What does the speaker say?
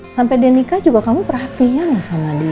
sampai dia nikah juga kamu perhatian sama dia